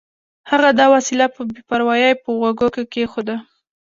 هغه دا وسیله په بې پروایۍ په غوږو کې کېښوده